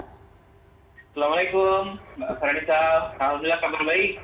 assalamualaikum mbak vanessa alhamdulillah kabar baik